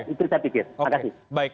itu saya pikir terima kasih